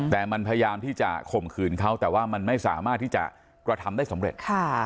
แต่มันพยายามที่จะข่มขืนเขาแต่ว่ามันไม่สามารถที่จะกระทำได้สำเร็จ